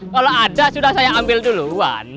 kalau ada sudah saya ambil duluan